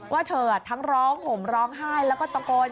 ว่าเธอทั้งร้องห่มร้องไห้แล้วก็ตะโกน